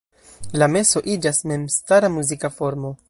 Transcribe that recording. La meso iĝas memstara muzika formo.